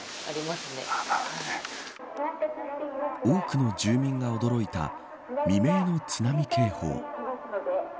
多くの住民が驚いた未明の津波警報。